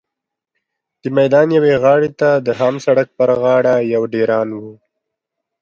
د میدان یوې غاړې ته د خام سړک پر غاړه یو ډېران و.